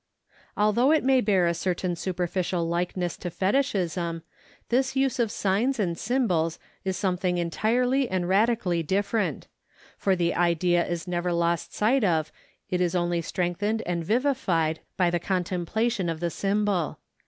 Although it may bear a certain superficial likeness to fetichism, this use of signs and symbols is something entirely and radically different, for the idea is never lost sight of, it is only strengthened and vivified by the contemplation of the symbol.